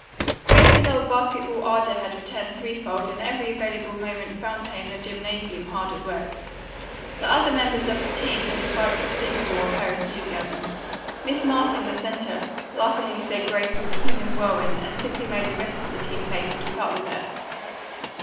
Grace's old basketball ardor had returned threefold and every available moment found her in the gymnasium hard at work. The other members of the teams had imbibed considerable of her enthusiasm. Miss Martin, the center, laughingly said Grace was a human whirlwind and simply made the rest of the team play to keep up with her.